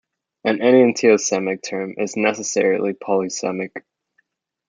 An enantiosemic term is necessarily polysemic.